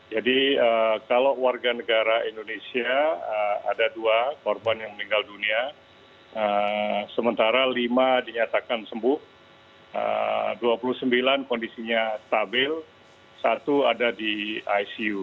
jadi kalau warga negara indonesia ada dua korban yang meninggal dunia sementara lima dinyatakan sembuh dua puluh sembilan kondisinya stabil satu ada di icu